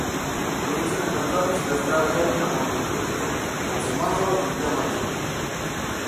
In direzione nordovest la strada termina con un incrocio, con semaforo, in via Manzoni.